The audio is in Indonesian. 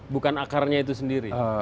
bukan akarnya itu sendiri